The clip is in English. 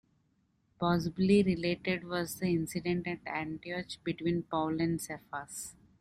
Possibly related was the Incident at Antioch between Paul and Cephas.